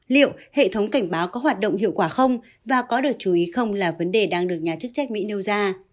liệu hệ thống cảnh báo có hoạt động hiệu quả không và có được chú ý không là vấn đề đang được nhà chức trách mỹ nêu ra